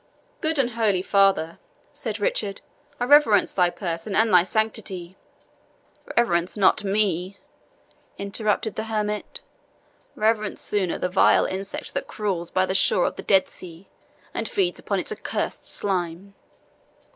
"Good and holy father," said Richard, "I reverence thy person and thy sanctity " "Reverence not me!" interrupted the hermit; "reverence sooner the vilest insect that crawls by the shores of the Dead Sea, and feeds upon its accursed slime.